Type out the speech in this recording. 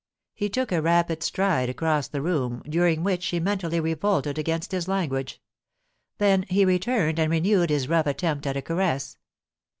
He took a rapid stride across the room, during which she mentally revolted against his language; then he returned, and renewed his rough attempt at a caress.